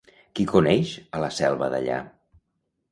Qui coneix a la selva d'allà?